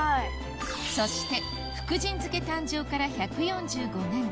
そして福神漬誕生から１４５年